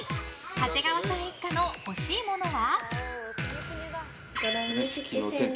長谷川さん一家の欲しいものは？